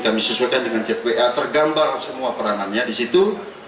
kami sesuaikan dengan chat wa tergambar semua peranannya di situ